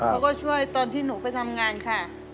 เขาก็ช่วยตอนที่หนูไปทำงานค่ะ